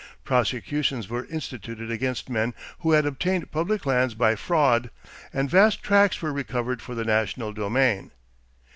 Prosecutions were instituted against men who had obtained public lands by fraud and vast tracts were recovered for the national domain.